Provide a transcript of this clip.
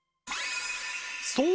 そう！